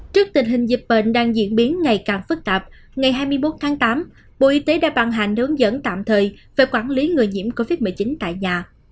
trước tình hình dịch bệnh đang diễn biến ngày càng phức tạp ngày hai mươi một tháng tám bộ y tế đã bàn hành hướng dẫn tạm thời về quản lý người nhiễm covid một mươi chín tại nhà